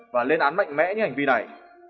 và lên án mạnh mẽ như hành vi này